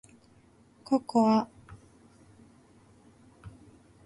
ココア